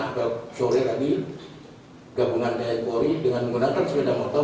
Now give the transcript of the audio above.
agar sore tadi gabungan tni polri dengan menggunakan sepeda motor